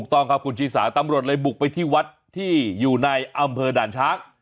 ตำรวจเลยบุกไปที่วัดที่อยู่ในอำเภอด่านช้าง